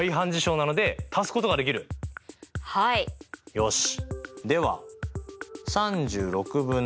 よし。